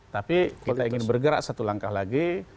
tapi kita ingin bergerak satu langkah lagi